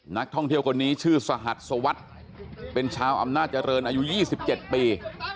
นักท่องเที่ยวคนนี้ชื่อสหัสสวัสดิ์เป็นชาวอำนาจเจริญอายุ๒๗ปี